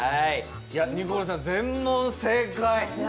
ニコルさん、全問正解。